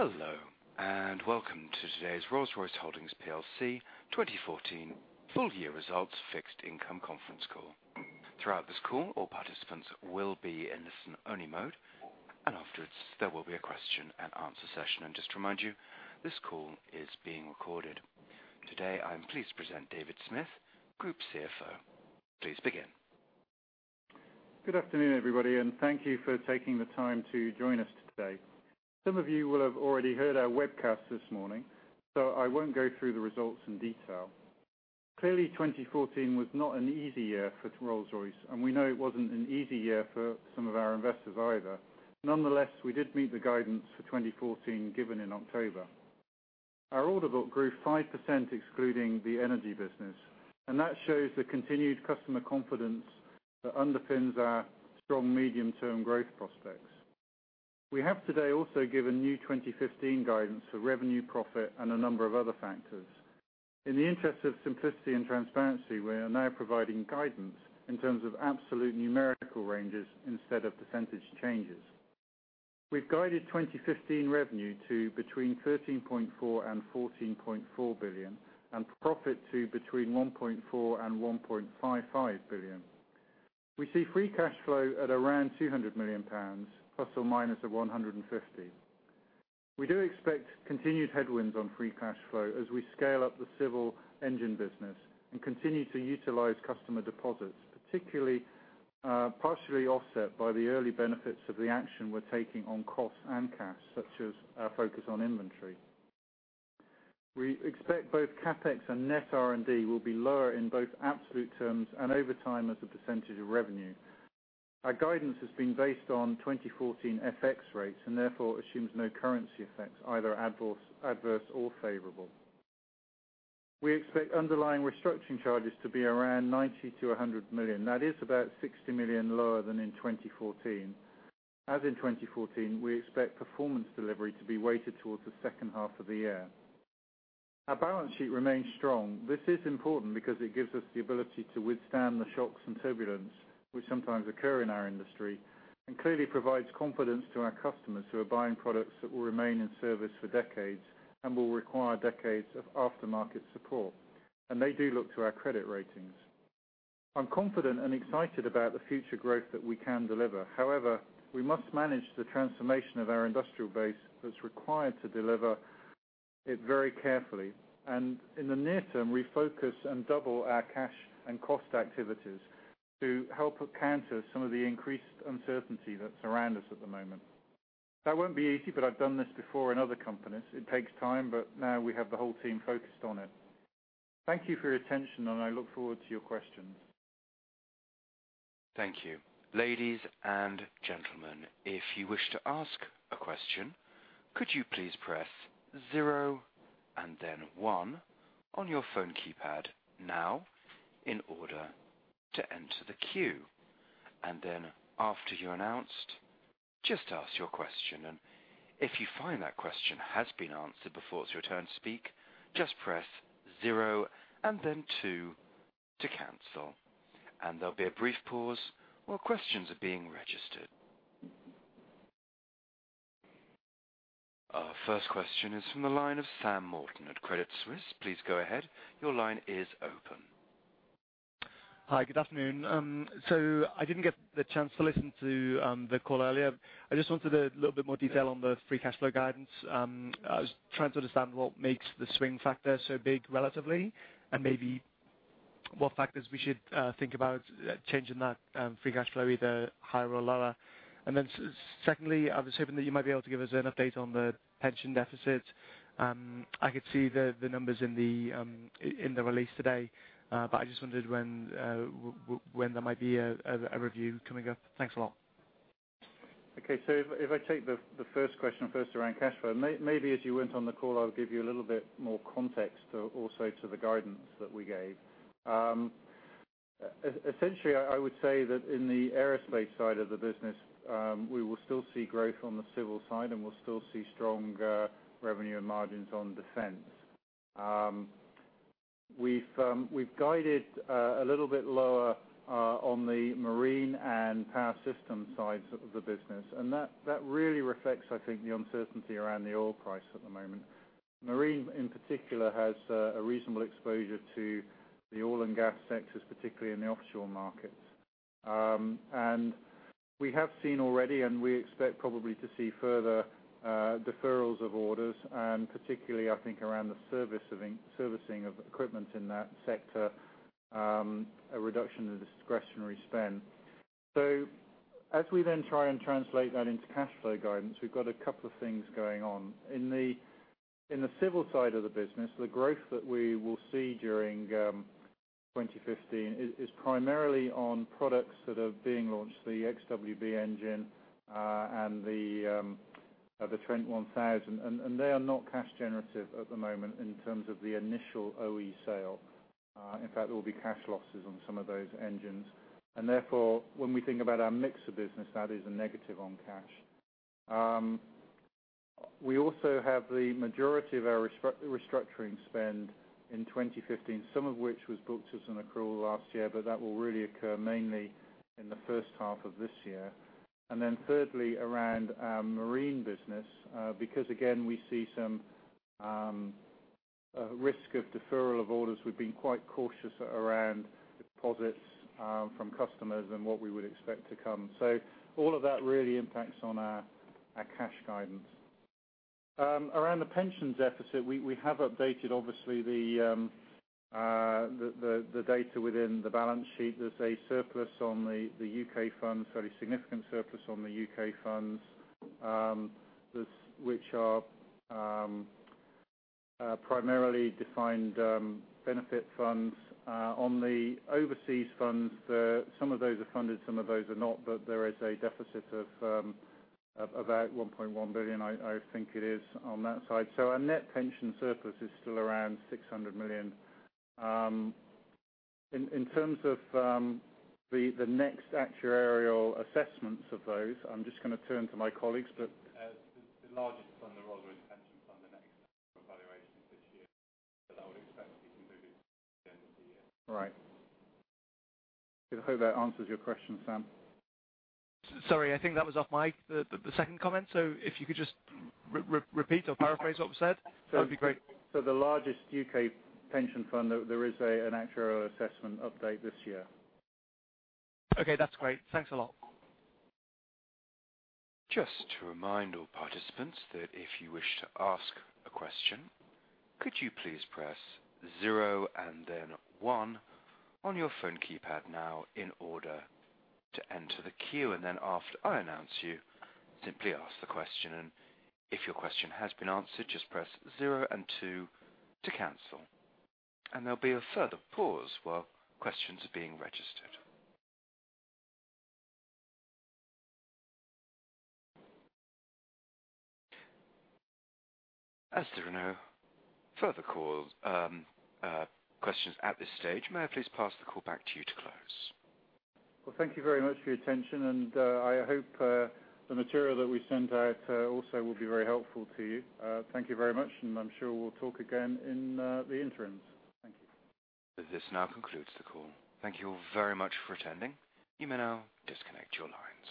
Hello, and welcome to today's Rolls-Royce Holdings PLC 2014 full year results fixed income conference call. Throughout this call, all participants will be in listen-only mode, and afterwards, there will be a question-and-answer session. Just to remind you, this call is being recorded. Today, I am pleased to present David Smith, Group CFO. Please begin. Good afternoon, everybody, and thank you for taking the time to join us today. Some of you will have already heard our webcast this morning, so I won't go through the results in detail. Clearly, 2014 was not an easy year for Rolls-Royce, and we know it wasn't an easy year for some of our investors either. Nonetheless, we did meet the guidance for 2014 given in October. Our order book grew 5% excluding the energy business, and that shows the continued customer confidence that underpins our strong medium-term growth prospects. We have today also given new 2015 guidance for revenue, profit, and a number of other factors. In the interest of simplicity and transparency, we are now providing guidance in terms of absolute numerical ranges instead of percentage changes. We've guided 2015 revenue to between 13.4 billion and 14.4 billion, and profit to between 1.4 billion and 1.55 billion. We see free cash flow at around 200 million pounds, plus or minus 150 million. We do expect continued headwinds on free cash flow as we scale up the civil engine business and continue to utilize customer deposits, particularly partially offset by the early benefits of the action we're taking on costs and cash, such as our focus on inventory. We expect both CapEx and net R&D will be lower in both absolute terms and over time as a percentage of revenue. Our guidance has been based on 2014 FX rates, and therefore assumes no currency effects, either adverse or favorable. We expect underlying restructuring charges to be around 90 million-100 million. That is about 60 million lower than in 2014. As in 2014, we expect performance delivery to be weighted towards the second half of the year. Our balance sheet remains strong. This is important because it gives us the ability to withstand the shocks and turbulence which sometimes occur in our industry, and clearly provides confidence to our customers who are buying products that will remain in service for decades and will require decades of aftermarket support, and they do look to our credit ratings. I'm confident and excited about the future growth that we can deliver. However, we must manage the transformation of our industrial base that's required to deliver it very carefully. In the near term, refocus and double our cash and cost activities to help counter some of the increased uncertainty that surround us at the moment. That won't be easy, but I've done this before in other companies. It takes time, but now we have the whole team focused on it. Thank you for your attention, and I look forward to your questions. Thank you. Ladies and gentlemen, if you wish to ask a question, could you please press 0 and then 1 on your phone keypad now in order to enter the queue. After you're announced, just ask your question. If you find that question has been answered before it's your turn to speak, just press 0 and then 2 to cancel. There'll be a brief pause while questions are being registered. Our first question is from the line of Samuel Morton at Credit Suisse. Please go ahead. Your line is open. Hi, good afternoon. I did not get the chance to listen to the call earlier. I just wanted a little bit more detail on the free cash flow guidance. I was trying to understand what makes the swing factor so big relatively, maybe what factors we should think about changing that free cash flow, either higher or lower. Secondly, I was hoping that you might be able to give us an update on the pension deficit. I could see the numbers in the release today, but I just wondered when there might be a review coming up. Thanks a lot. Okay. If I take the first question first around cash flow, maybe as you went on the call I'll give you a little bit more context also to the guidance that we gave. Essentially, I would say that in the aerospace side of the business, we will still see growth on the civil side, we'll still see stronger revenue and margins on defense. We've guided a little bit lower on the marine and power system sides of the business, that really reflects, I think, the uncertainty around the oil price at the moment. Marine in particular has a reasonable exposure to the oil and gas sectors, particularly in the offshore markets. We have seen already, we expect probably to see further deferrals of orders, particularly I think around the servicing of equipment in that sector, a reduction in discretionary spend. As we then try and translate that into cash flow guidance, we've got a couple of things going on. In the civil side of the business, the growth that we will see during 2015 is primarily on products that are being launched, the XWB engine and the Trent 1000. They are not cash generative at the moment in terms of the initial OE sale. In fact, there will be cash losses on some of those engines. Therefore, when we think about our mix of business, that is a negative on cash. We also have the majority of our restructuring spend in 2015, some of which was booked as an accrual last year, but that will really occur mainly in the first half of this year. Thirdly, around our marine business because, again, we see some risk of deferral of orders. We've been quite cautious around deposits from customers and what we would expect to come. All of that really impacts on our cash guidance. Around the pensions deficit, we have updated, obviously, the data within the balance sheet. There is a surplus on the U.K. funds, very significant surplus on the U.K. funds, which are primarily defined benefit funds. On the overseas funds, some of those are funded, some of those are not, but there is a deficit of about 1.1 billion, I think it is, on that side. Our net pension surplus is still around 600 million. In terms of the next actuarial assessments of those, I'm just going to turn to my colleagues. The largest fund, the Rolls-Royce pension fund, the next evaluation's this year. That would expect to be concluded at the end of the year. Right. I hope that answers your question, Sam. Sorry, I think that was off the second comment. If you could just repeat or paraphrase what was said, that would be great. The largest U.K. pension fund, there is an actuarial assessment update this year. Okay, that's great. Thanks a lot. Just to remind all participants that if you wish to ask a question, could you please press zero and then one on your phone keypad now in order to enter the queue? Then after I announce you, simply ask the question, and if your question has been answered, just press zero and two to cancel. There'll be a further pause while questions are being registered. As there are no further questions at this stage, may I please pass the call back to you to close? Thank you very much for your attention, and I hope the material that we sent out also will be very helpful to you. Thank you very much, I'm sure we'll talk again in the interim. Thank you. This now concludes the call. Thank you very much for attending. You may now disconnect your line.